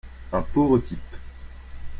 Un pauvre type.